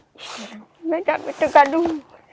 saya nggak bisa jatuh